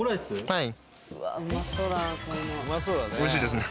はい。